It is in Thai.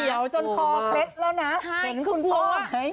เหลียวจนคอเคล็ดแล้วนะ